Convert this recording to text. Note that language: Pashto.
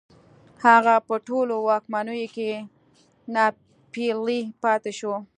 هغه په ټولو واکمنیو کې ناپېیلی پاتې شو